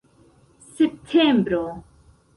septembro